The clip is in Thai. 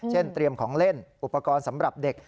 เตรียมของเล่นอุปกรณ์สำหรับเด็ก